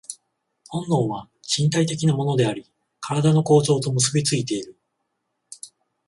本能は身体的なものであり、身体の構造と結び付いている。